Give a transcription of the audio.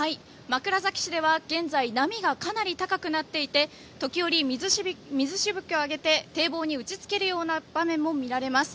枕崎市では現在、波がかなり高くなっていて時折、水しぶきを上げて堤防に打ち付けるような場面も見られます。